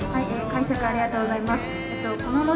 解釈ありがとうございます。